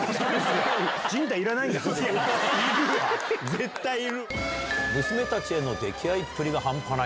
絶対いる！